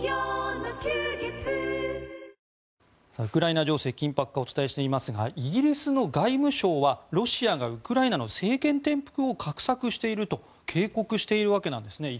ウクライナ情勢の緊迫化をお伝えしていますがイギリスの外務省はロシアがウクライナの政権転覆を画策していると警告しているわけです。